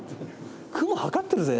雲測ってるぜ？